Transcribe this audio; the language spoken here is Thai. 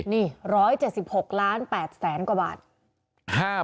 นี่๑๗๖ล้าน๘แสนกว่าบาท